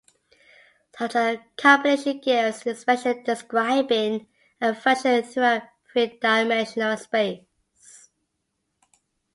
Such a combination gives an expansion describing a function throughout three-dimensional space.